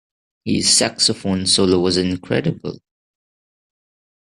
His saxophone solo was incredible.